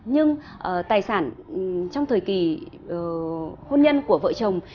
nhưng tài sản trong thời kỳ hôn nhân của vợ chồng